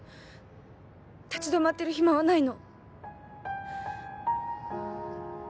立ち止まってる暇はないの